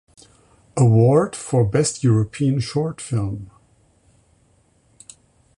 Award for Best European Short Film.